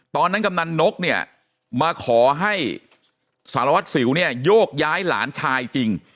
กำนันนกเนี่ยมาขอให้สารวัตรสิวเนี่ยโยกย้ายหลานชายจริง